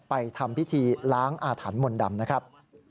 ไปทำพิธีล้างอาถรรมดำนะครับ